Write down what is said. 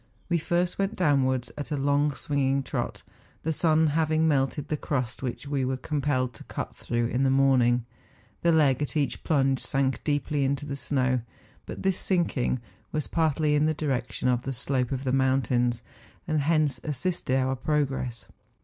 We first went downwards at a long swinging trot. The sun having melted the crust which we were compelled to cut through in the morning, the leg at each plunge sank deeply into the snow; but this sinking was partly in 48 MOUNTAIN ADVENTURES. the direction of the slope of the mountains, and hence assisted our progress.